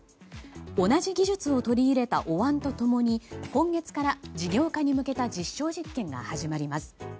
同じ技術を取り入れたお椀と共に今月から、事業化に向けた実証実験が始まります。